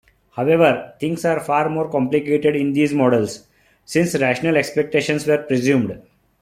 However, things are far more complicated in these models, since rational expectations were presumed.